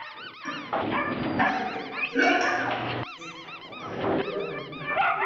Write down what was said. এই সময় আপনি নিঃসঙ্গ বোধ করেন এবং আমার ধারণা খানিকটা ভয়ও পান।